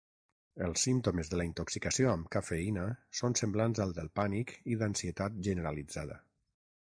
Els símptomes de la intoxicació amb cafeïna són semblants als del pànic i d'ansietat generalitzada.